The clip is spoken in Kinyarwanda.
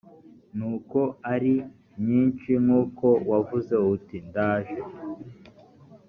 nuko ari nyinshi nk uko wavuze uti ndaje